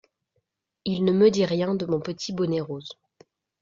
Il ne me dit rien de mon petit bonnet rose.